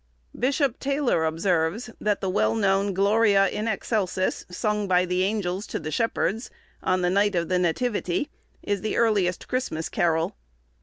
Bishop Taylor observes, that the well known "Gloria in Excelsis," sung by the angels to the shepherds, on the night of the Nativity, is the earliest Christmas carol.